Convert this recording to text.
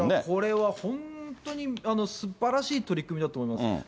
これは本当にすばらしい取り組みだと思います。